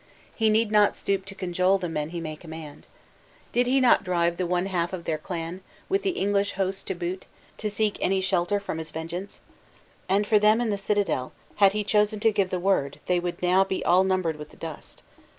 He need not stoop to cajole the men he may command. Did he not drive the one half of their clan, with the English host to boot, to seek any shelter from his vengeance? And for them in the citadel, had he chosen to give the word, they would now be all numbered with the dust!